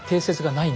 ない！